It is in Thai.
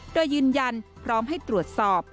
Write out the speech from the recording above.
โดยยืนยันพร้อมให้ตรวจสอบ